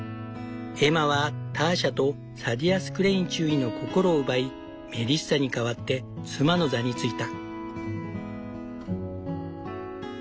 エマはターシャとサディアス・クレイン中尉の心を奪いメリッサに代わって妻の座に就いた。